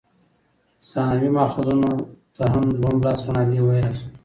ثانوي ماخذونو ته دوهم لاس منابع ویلای سو.